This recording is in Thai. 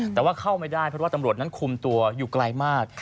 แต่ว่าเข้าไม่ได้เพราะว่าตำรวจนั้นคุมตัวอยู่ไกลมาก